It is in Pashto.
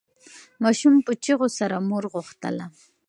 ماشوم په چیغو سره مور غوښتله.